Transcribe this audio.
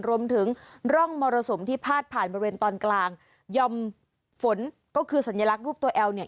รวมถึงร่องมรสุมที่พาดผ่านบริเวณตอนกลางยอมฝนก็คือสัญลักษณ์รูปตัวแอลเนี่ย